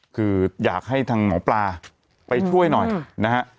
คืออยากให้ทางหมอปลาไปช่วยหน่อยนะฮะ